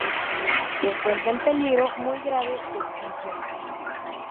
Se encuentra en peligro muy grave de extinción.